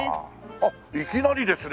あっいきなりですね。